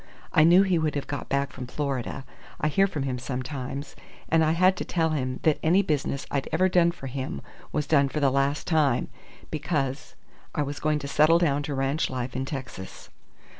I knew he would have got back from Florida. I hear from him sometimes, and I had to tell him that any business I'd ever done for him was done for the last time, because I was going to settle down to ranch life in Texas.